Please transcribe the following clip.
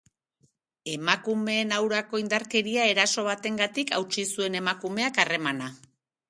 Emakumeen aurako indarkeria eraso batengatik hautsi zuen emakumeak harremana.